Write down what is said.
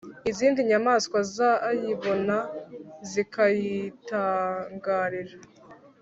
izindi nyamaswa zayibona zikayitangarira,